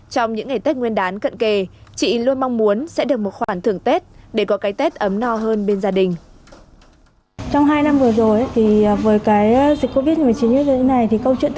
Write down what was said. trong những ngày tết nguyên đán cận kề chị luôn mong muốn sẽ được một khoản thưởng tết để có cái tết ấm no hơn bên gia đình